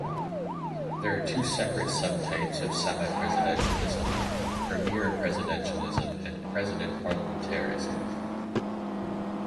There are two separate subtypes of semi-presidentialism: premier-presidentialism and president-parliamentarism.